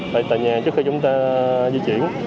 tại nhà trước khi chúng ta di chuyển